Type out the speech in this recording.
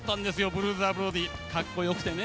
ブルーザー・ブロディかっこよくてね。